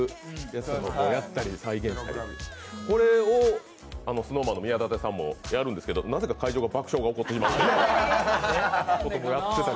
これをＳｎｏｗＭａｎの宮舘さんもやるんですけどなぜか会場で爆笑が起こってしまうんで。